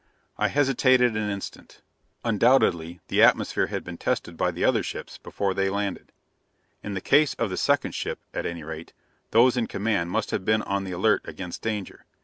I hesitated an instant. Undoubtedly the atmosphere had been tested by the other ships before they landed. In the case of the second ship, at any rate, those in command must have been on the alert against danger.